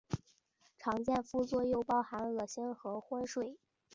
常见副作用包含恶心和昏睡。